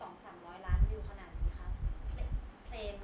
มาถึงแบบ๒๐๐๓๐๐ล้านด้วยขนาดนี้ครับ